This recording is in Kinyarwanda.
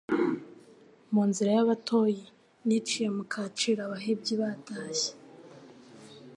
Mu nzira y'Abatoyi niciye mu kaciro abahebyi batashye